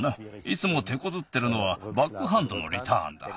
いつもてこずってるのはバックハンドのリターンだ。